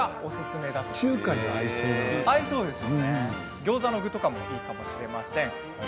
ギョーザでもいいかもしれませんね。